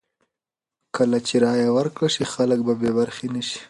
کله چې رایه ورکړل شي، خلک به بې برخې نه شي.